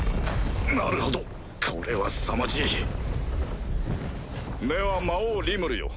なるほどこれはすさまじいでは魔王リムルよ